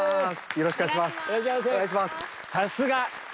よろしくお願いします。